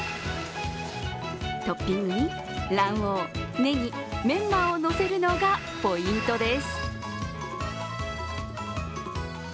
トッピングに卵黄、ねぎ、メンマをのせるのがポイントです。